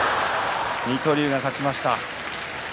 水戸龍が勝ちました。